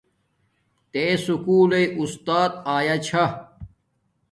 تے سکُول لݵݵ اُستات آیا چھا